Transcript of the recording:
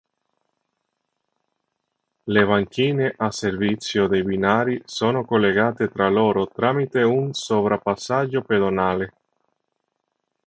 Le banchine a servizio dei binari sono collegate tra loro tramite un sovrapassaggio pedonale.